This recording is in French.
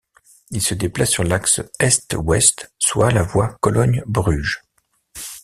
Il se déplace sur l'axe Est-Ouest, soit la voie Cologne-Bruges.